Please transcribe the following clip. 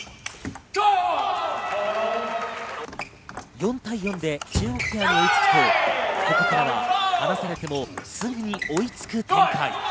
４対４で中国ペアに追いつくと、ここからは離されても、すぐに追いつく展開。